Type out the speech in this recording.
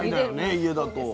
家だと。